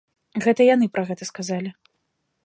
Гэта яны пра гэта сказалі.